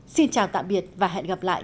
xin chào tạm biệt và hẹn gặp lại